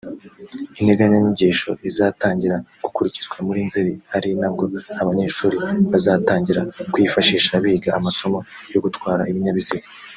Integanyanyigisho izatangira gukurikizwa muri Nzeli ari nabwo abanyeshuri bazatangira kuyifashisha biga amasomo yo gutwara ibinyabiziga